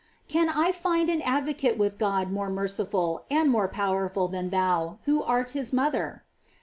Can I find an advocate with God more merciful and more powerful than thou, who art his mother?